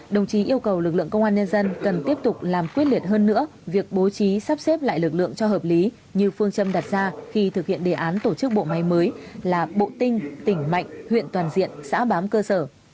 đồng chí yêu cầu lực lượng công an nhân dân cần tiếp tục làm quyết liệt hơn nữa việc bố trí sắp xếp lại lực lượng cho hợp lý như phương châm đặt ra khi thực hiện đề án tổ chức bộ máy mới là bộ tinh tỉnh mạnh huyện toàn diện xã bám cơ sở